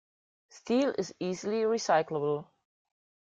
Steel is easily recyclable.